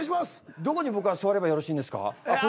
どこに僕は座ればよろしいですかあっ